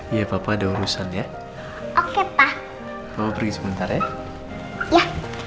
ya papa ada urusan ya oke ah mau pergi sebentar ya